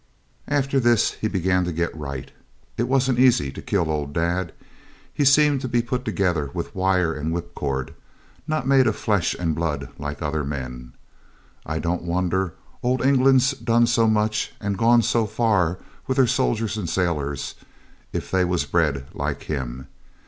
After this he began to get right; it wasn't easy to kill old dad. He seemed to be put together with wire and whip cord; not made of flesh and blood like other men. I don't wonder old England's done so much and gone so far with her soldiers and sailors if they was bred like him.